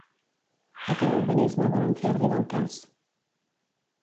A quin organisme volen fer arribar el cas?